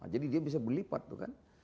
jadi dia bisa berlipat tuh kan